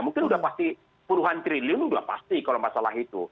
mungkin sudah pasti puluhan triliun sudah pasti kalau masalah itu